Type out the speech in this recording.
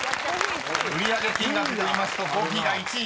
売上金額で見ますと「コーヒー」が１位。